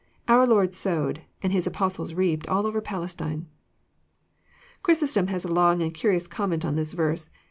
Our Lord sowed, and His Apostles reaped all over Palestine. Ohrysostom has a long and curious comment on this verse.